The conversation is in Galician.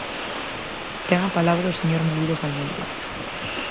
Ten a palabra o señor Melide Salgueiro.